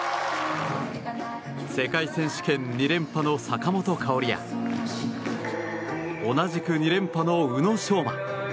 世界選手権２連覇の坂本花織や同じく２連覇の宇野昌磨。